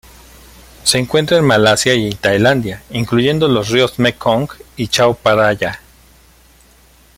Se encuentra en Malasia y Tailandia, incluyendo los ríos Mekong y Chao Phraya.